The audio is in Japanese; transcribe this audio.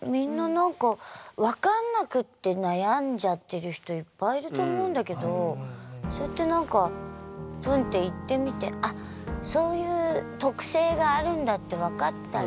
みんな何かいっぱいいると思うんだけどそうやって何かプンッて行ってみてあっそういう特性があるんだって分かったら。